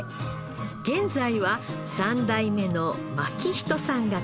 現在は３代目の牧人さんが中心です